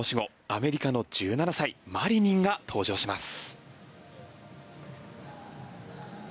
アメリカの１７歳マリニンが登場します。